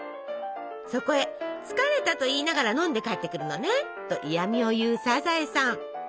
そこへ「つかれたといいながらのんでかえってくるのね」と嫌みを言うサザエさん。